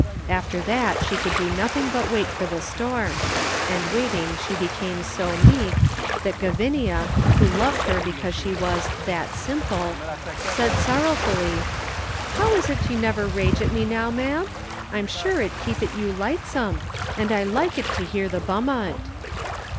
After that she could do nothing but wait for the storm, and waiting she became so meek, that Gavinia, who loved her because she was "that simple," said sorrowfully: "How is't you never rage at me now, ma'am? I'm sure it keepit you lightsome, and I likit to hear the bum o't."